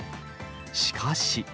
しかし。